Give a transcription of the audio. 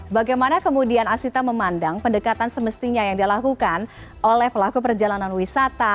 bagaimana kemudian asita memandang pendekatan semestinya yang dilakukan oleh pelaku perjalanan wisata